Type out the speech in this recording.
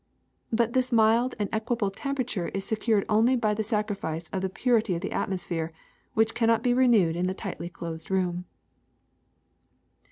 But this mild and equable temperature is secured only at the sacrifice of the purity of the atmosphere, w^hich cannot be renewed in the tightly closed room.